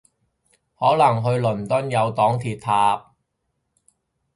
可能去倫敦有黨鐵搭